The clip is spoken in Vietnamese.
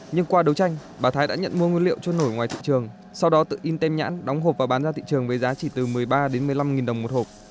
nhưng qua đấu tranh bà thái đã nhận mua nguyên liệu trôi nổi ngoài thị trường sau đó tự in tem nhãn đóng hộp và bán ra thị trường với giá chỉ từ một mươi ba đến một mươi năm đồng một hộp